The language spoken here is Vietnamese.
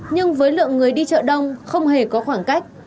nhưng với lượng người đi chợ đông không hề có khoảng cách